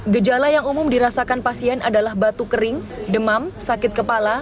gejala yang umum dirasakan pasien adalah batu kering demam sakit kepala